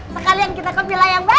sekalian kita ke wilayah yang baru